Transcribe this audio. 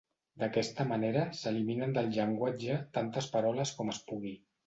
D'aquesta manera s'eliminen del llenguatge tantes paraules com es pugui.